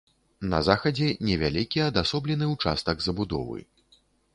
На захадзе невялікі адасоблены ўчастак забудовы.